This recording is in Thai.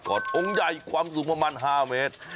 องค์ใหญ่ความสูงประมาณ๕เมตร